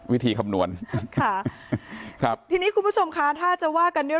วิธีคำนวณค่ะครับทีนี้คุณผู้ชมคะถ้าจะว่ากันด้วย